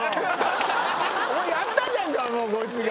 やったじゃんかもうこいつが。